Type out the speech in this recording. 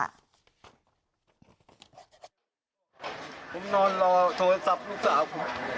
ผมนอนรอโทรศัพท์ลูกสาวผม